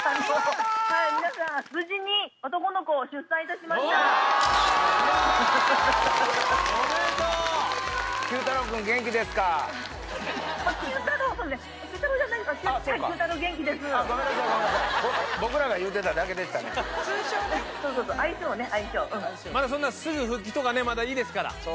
そんなすぐ復帰とかねまだいいですから。